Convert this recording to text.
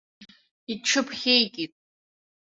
Иҽыԥхьеикит.